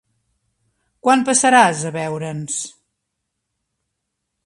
Quan passaràs a veure'ns?